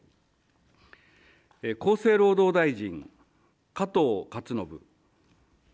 厚生労働大臣、加藤勝信。